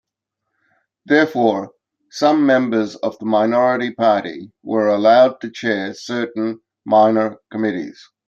Therefore, some members of the minority party were allowed to chair certain minor committees.